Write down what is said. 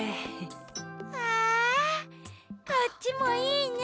わこっちもいいね。